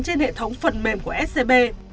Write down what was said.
trên hệ thống phần mềm của scb